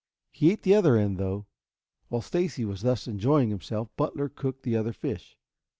He ate the other end, though. While Stacy was thus enjoying himself, Butler cooked the other fish.